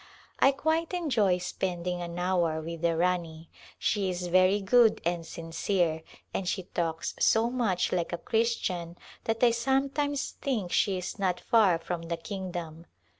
I quite enjoy spending an hour with the Rani. She is very good and sincere, and she talks so much like a Christian that I sometimes think she is not far from the Kingdom.